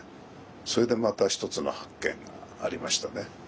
それでまた一つの発見がありましたね。